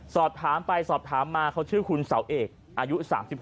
สอบถามไปสอบถามมาเขาชื่อคุณเสาเอกอายุ๓๖